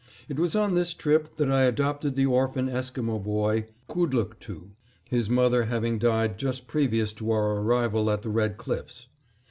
It was on this trip that I adopted the orphan Esquimo boy, Kudlooktoo, his mother having died just previous to our arrival at the Red Cliffs.